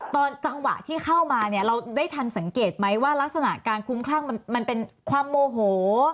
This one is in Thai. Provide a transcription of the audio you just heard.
ตอนจังหวะที่เข้ามาเนี่ยเราได้ทันสังเกตไหมว่ารักษณะการคุ้มคลั่งมันเป็นความโมโห